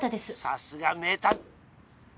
さすが名探。